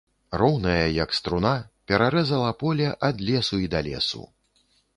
Роўная, як струна, перарэзала поле, ад лесу і да лесу.